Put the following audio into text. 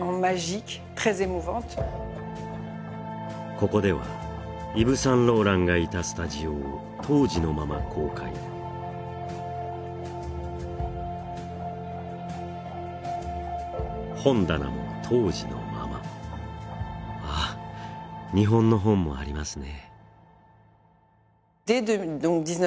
ここではイヴ・サンローランがいたスタジオを当時のまま公開本棚も当時のままあっ日本の本もありますね